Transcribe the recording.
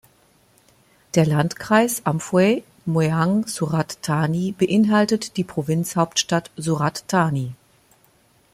Der Landkreis Amphoe Mueang Surat Thani beinhaltet die Provinzhauptstadt Surat Thani.